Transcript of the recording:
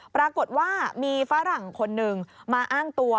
ปรากฏว่ามีฝรั่งคนหนึ่งมาอ้างตัว